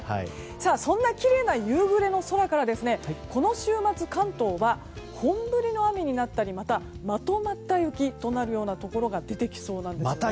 そんなきれいな夕暮れの空からこの週末、関東は本降りの雨になったりまた、まとまった雪となるところが出てきそうなんです。